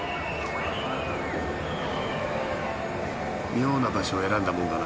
妙な場所を選んだもんだな。